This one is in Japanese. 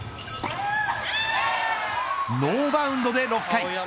ノーバウンドで６回。